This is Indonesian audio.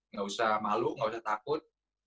nggak usah malu nggak usah takut